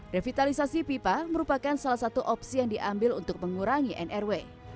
revitalisasi pipa merupakan salah satu opsi yang diambil untuk mengurangi nrw